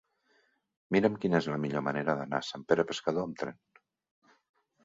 Mira'm quina és la millor manera d'anar a Sant Pere Pescador amb tren.